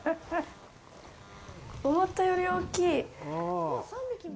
思ったより大きい。